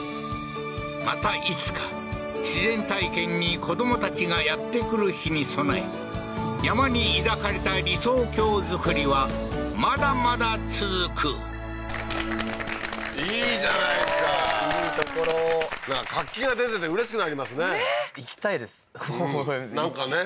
またいつか自然体験に子供たちがやってくる日に備え山に抱かれた理想郷作りはまだまだ続くいいじゃないですかいい所活気が出ててうれしくなりますねねえ行きたいですなんかね